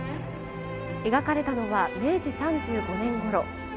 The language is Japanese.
描かれたのは、明治３５年ごろ。